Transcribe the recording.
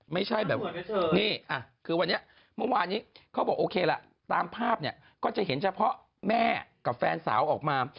ไม่ใช่แบบนี่คือวันนี้เมื่อวานนี้เขาบอกโอเคล่ะตามภาพเนี่ยก็จะเห็นเฉพาะแม่กับแฟนสาวออกมา